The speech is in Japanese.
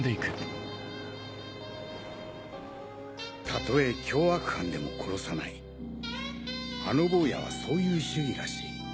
たとえ凶悪犯でも殺さないあの坊やはそういう主義らしい。